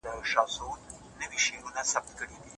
ماته بېړۍ مي د توپان خبره کله مني